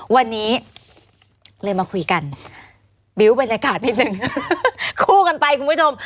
วันนี้เลยมาคุยกันบิ้วบรรยากาศนิดนึงคู่กันไปคุณผู้ชม